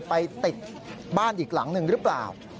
ไปติดบ้านอีกหลังหนึ่งหรือเปล่า